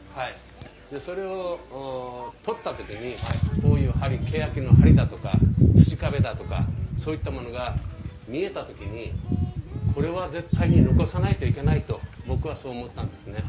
それを取った時にこういうけやきの梁だとか土壁だとかそういったものが見えた時にこれは絶対に残さないといけないと僕はそう思ったんですね。